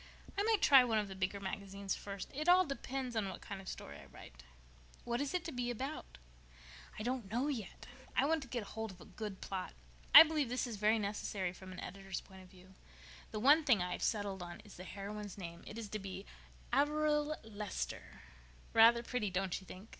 _" "I might try one of the bigger magazines first. It all depends on what kind of a story I write." "What is it to be about?" "I don't know yet. I want to get hold of a good plot. I believe this is very necessary from an editor's point of view. The only thing I've settled on is the heroine's name. It is to be Averil Lester. Rather pretty, don't you think?